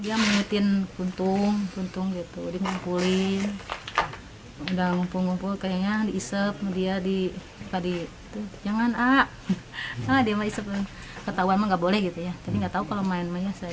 dia mengutin puntung dia mengumpulin